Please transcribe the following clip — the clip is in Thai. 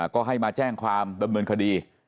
ก็ให้มาแจ้งความดำเนินคดี